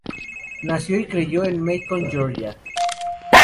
Nació y creció en Macon, Georgia.